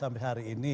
sampai hari ini